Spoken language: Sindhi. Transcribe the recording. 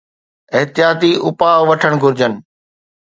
احتياطي اپاءَ وٺڻ گهرجن